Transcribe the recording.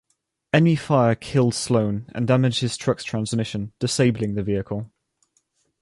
Enemy fire killed Sloan and damaged his truck's transmission, disabling the vehicle.